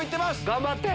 頑張って！